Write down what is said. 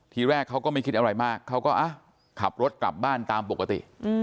ทีแรกเขาก็ไม่คิดอะไรมากเขาก็ขับรถกลับบ้านตามปกติ